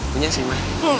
punya sih ma